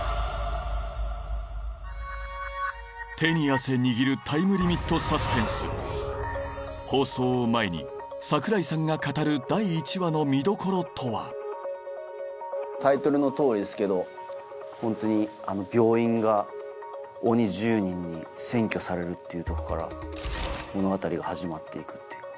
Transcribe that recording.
手に汗握る放送を前に櫻井さんが語る第１話の見どころとはタイトルの通りですけどホントに病院が鬼１０人に占拠されるっていうとこから物語が始まって行くっていう。